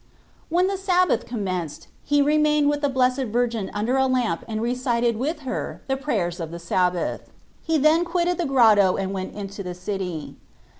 When the Sabbath commenced he re Xorfc Jesus Cbrist. 79 mained with the Blessed Virgin under a lamp and recited with her the prayers of the Sabbath : he then quitted the grotto and went into the city.